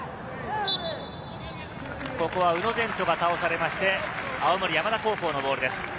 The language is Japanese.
ここは宇野禅斗が倒されまして、青森山田高校のボールです。